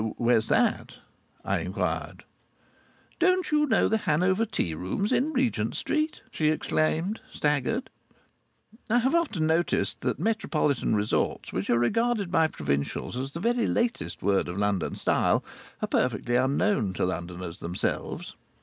"Where's that?" I inquired. "Don't you know the Hanover Tea rooms in Regent Street?" she exclaimed, staggered. I have often noticed that metropolitan resorts which are regarded by provincials as the very latest word of London style, are perfectly unknown to Londoners themselves.